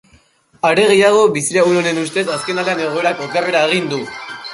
Are gehiago, bizilagun honen ustez, azkenaldian egoerak okerrera egin du.